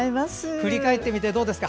振り返ってみてどうですか？